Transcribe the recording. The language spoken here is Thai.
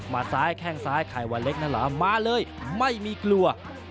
มัดซ้ายแค่งซ้ายค่ายวะเล็กน่ะเหรอมาเลยไม่มีกลัว